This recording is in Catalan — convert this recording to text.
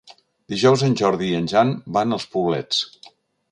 Dijous en Jordi i en Jan van als Poblets.